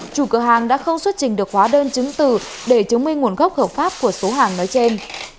chủ cửa hàng đã không xuất trình được hóa đơn chứng từ để chứng minh nguồn gốc hợp pháp của số hàng nói trên